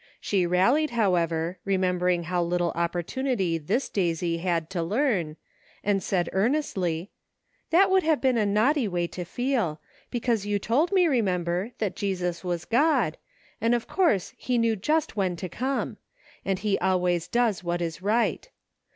She rallied, however, remembering how little opportunity this Daisy had to learn, and said earnestly, "That would have been a naughty way to feel ; because you told me, remember, that Jesus was God, and of course he knew just when to come; and he always does what is right.